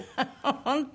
本当？